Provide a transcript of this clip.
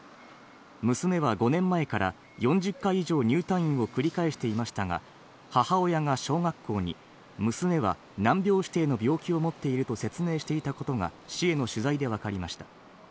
娘は５年前から４０回以上、入退院を繰り返していましたが、母親が小学校に娘は難病指定の病気を持っていると説明していたことが市への取材でわかりました。